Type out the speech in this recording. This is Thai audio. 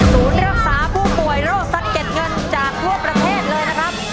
รักษาผู้ป่วยโรคสะเก็ดเงินจากทั่วประเทศเลยนะครับ